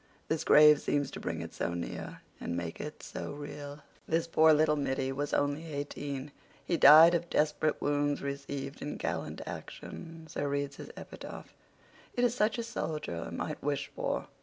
This grave seems to bring it so near and make it so real. This poor little middy was only eighteen. He 'died of desperate wounds received in gallant action'—so reads his epitaph. It is such as a soldier might wish for."